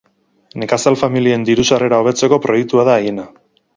Nekazal familien diru sarrera hobetzeko proiektua da haiena.